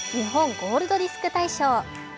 ゴールドディスク大賞。